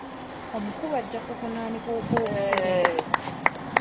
Omukulu ajja kuvunaanibwa ogw'obufere.